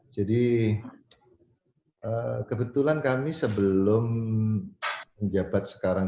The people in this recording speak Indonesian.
jadi kebetulan kami sebelum menjabat sekarang